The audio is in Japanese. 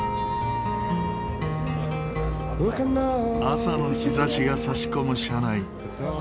朝の日差しが差し込む車内。